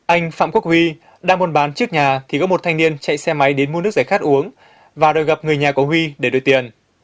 anh phạm quốc huy đang buôn bán trước nhà thì có một thanh niên chạy xe máy đến mua nước giải khát uống và đòi gặp người nhà của huy để đôi tiền